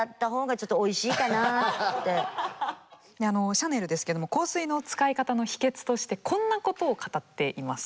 シャネルですけども香水の使い方の秘けつとしてこんなことを語っています。